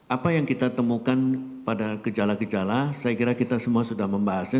apa yang kita temukan pada gejala gejala saya kira kita semua sudah membahasnya